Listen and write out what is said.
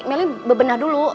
meli bebenah dulu